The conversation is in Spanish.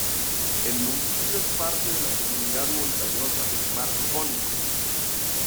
El municipio es parte de la Comunidad montañosa del Mar Jónico.